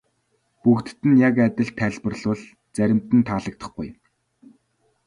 Бүгдэд нь яг адил тайлбарлавал заримд нь таалагдахгүй.